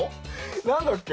何だっけ？